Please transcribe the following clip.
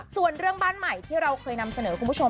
ส่วนเรื่องบ้านใหม่ที่เราเคยนำเสนอคุณผู้ชม